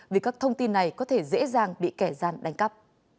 vì các thông tin này có thể dễ dàng bị kẻ gian đánh cắp